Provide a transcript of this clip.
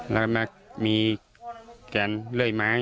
และมีการเลื่อยไม้